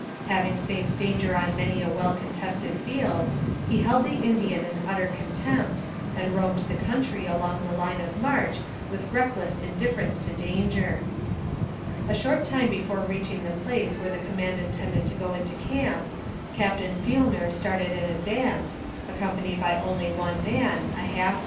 Having faced danger on many a well contested field, he held the Indian in utter contempt, and roamed the country along the line of march with reckless indiffer ence to danger. A short time before reaching the place where the command intended to go into camp, Captain Fielner started in advance, accompanied by only one man, a AMONG THE SIOUX INDIANS.